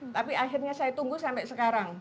tapi akhirnya saya tunggu sampai sekarang